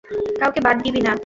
কাউকে বাদ দিবি না।